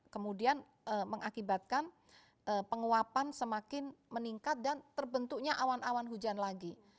kemudian mengakibatkan penguapan semakin meningkat dan terbentuknya awan awan hujan lagi